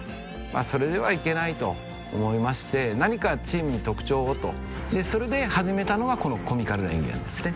それではいけないと思いまして何かチームに特徴をとそれで始めたのがこのコミカルな演技なんですね